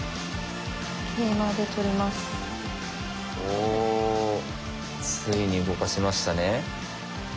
おおついに動かしましたね。